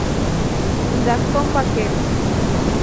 Gastón Baquero.